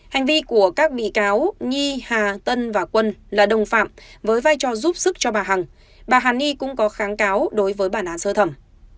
hành vi của các bị cáo nhi hà tân và quân là đồng phạm với vai trò giúp sức cho bà hằng bà hà ni cũng có kháng cáo đối với bản án sơ thẩm